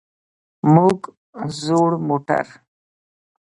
موږ زوړ موټر.